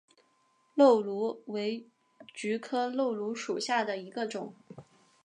漏芦为菊科漏芦属下的一个种。